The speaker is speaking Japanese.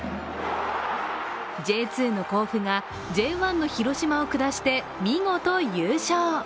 Ｊ２の甲府が、Ｊ１の広島を下して見事優勝。